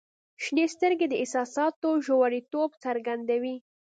• شنې سترګې د احساساتو ژوریتوب څرګندوي.